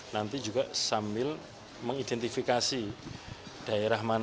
nanti juga sambil mengidentifikasi daerah mana